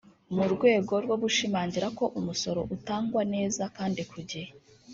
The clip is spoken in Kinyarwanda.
mu rwego rwo gushimangira ko umusoro utangwa neza kandi ku gihe